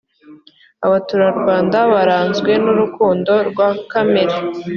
abaturarwanda baranzwe nurukundo rwakamere